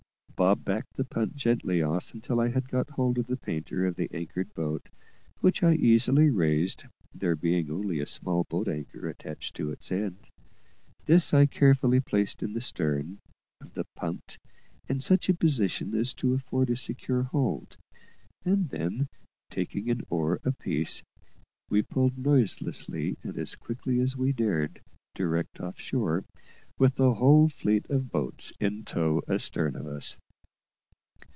Bob backed the punt gently off until I had got hold of the painter of the anchored boat, which I easily raised, there being only a small boat anchor attached to its end; this I carefully placed in the stern of the punt in such a position as to afford a secure hold, and then, taking an oar apiece, we pulled noiselessly and as quickly as we dared direct off shore, with the whole fleet of boats in tow astern of us.